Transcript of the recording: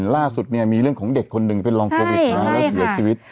ล่าสุดเนี่ยมีเรื่องของเด็กคนหนึ่งเป็นรองโควิดแล้วเสียชีวิต